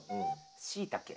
しいたけ。